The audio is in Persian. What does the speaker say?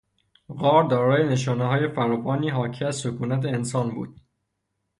غار دارای نشانههای فراوانی حاکی از سکونت انسان بود.